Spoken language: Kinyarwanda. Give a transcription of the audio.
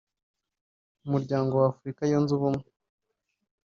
Umuryango wa Afurika Yunze Ubumwe